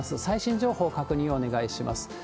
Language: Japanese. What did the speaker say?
最新情報確認をお願いします。